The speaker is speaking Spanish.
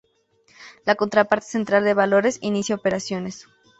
La Contraparte Central de Valores inicia operaciones.